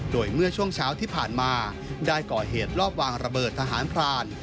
โดยเมื่อช่วงเช้าที่ผ่านมาได้ก่อเหตุรอบวางระเบิดทหารพราน